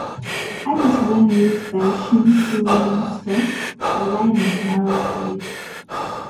As it is only used by Shintetsu rolling stock, the line is narrow gauge.